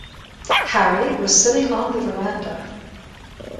Harry was sitting on the verandah.